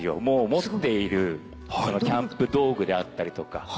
もう持っているキャンプ道具であったりとか。